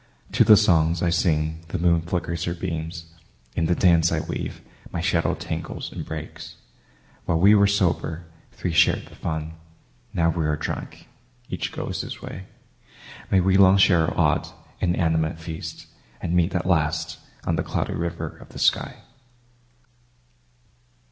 To the songs I sing the moon flickers her beams; In the dance I weave my shadow tangles and breaks. While we were sober, three shared the fun; Now we are drunk, each goes his way. May we long share our odd, inanimate feast, And meet at last on the Cloudy River of the sky.